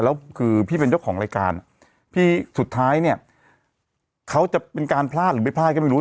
แล้วคือพี่เป็นเจ้าของรายการอ่ะพี่สุดท้ายเนี่ยเขาจะเป็นการพลาดหรือไม่พลาดก็ไม่รู้